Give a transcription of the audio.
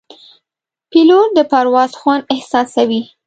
پیلوټ د پرواز خوند احساسوي.